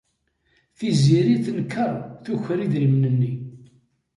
Tiziri tenkeṛ tuker idrimen-nni.